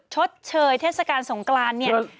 ชดเชยเทศกาลสงกรานเนี่ย